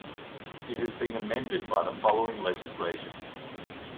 It has been amended by the following legislation.